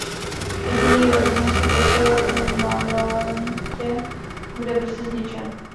Jediný rumunský kostel v Mălăiniţe bude brzy zničen.